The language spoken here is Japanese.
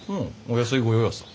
お安いご用ヤサ。